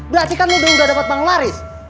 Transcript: berarti kan lo udah dapat penglaris